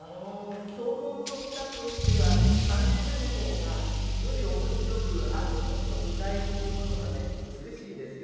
相聞の歌としては三首目の方がより面白くある１つの具体っていうものがね美しいですよね。